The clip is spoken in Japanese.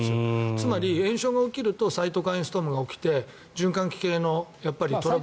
つまり、炎症が起きるとサイトカインストームが起きて循環器系のトラブル。